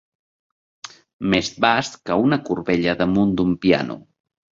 Més bast que una corbella damunt d'un piano.